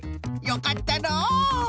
よかったのう！